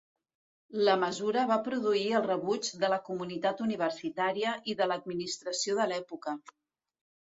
La mesura va produir el rebuig de la comunitat universitària i de l'administració de l'època.